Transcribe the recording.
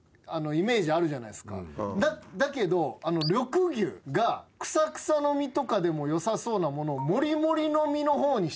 だけど緑牛がクサクサの実とかでもよさそうなものをモリモリの実の方にしたんですよね。